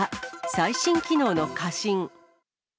最新機能の過信。